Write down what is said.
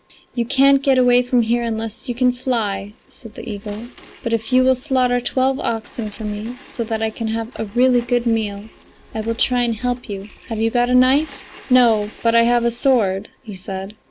"You can't get away from here unless you can fly," said the eagle, "but if you will slaughter twelve oxen for me, so that I can have a really good meal, I will try and help you. Have you got a knife?" "No, but I have a sword," he said.